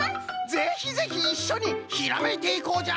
ぜひぜひいっしょにひらめいていこうじゃ。